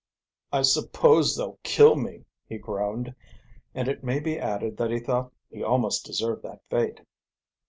"I suppose they'll kill me," he groaned, and it may be added that he thought he almost deserved that fate.